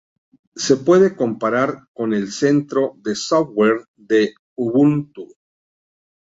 Se puede comparar con el Centro de software de Ubuntu.